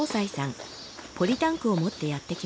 ポリタンクを持ってやってきました。